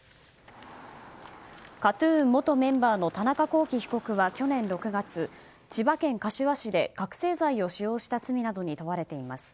ＫＡＴ‐ＴＵＮ元メンバーの田中聖被告は去年６月千葉県柏市で、覚醒剤を使用した罪などに問われています。